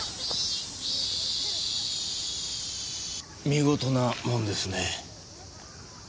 見事なもんですね。